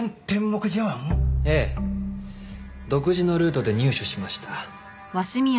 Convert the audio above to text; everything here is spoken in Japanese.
独自のルートで入手しました。